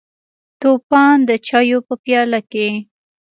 توپان د چایو په پیاله کې: